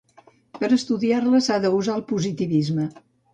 Per estudiar-la, s'ha d'usar el positivisme.